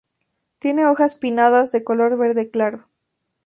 Tiene hojas pinnadas de color verde claro.